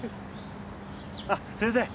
あっ先生